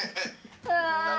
うわ！